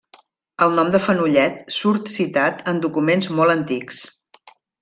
El nom de Fenollet surt citat en documents molt antics.